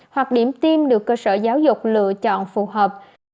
hoặc điểm tiêm được cơ sở giáo dục lựa chọn phù hợp